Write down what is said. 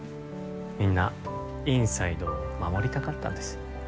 みんなｉｎｓｉｄｅを守りたかったんです